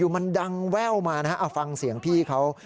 มันดังแว่วมานะฮะเอาฟังเสียงพี่เขา